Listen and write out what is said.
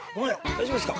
大丈夫ですか？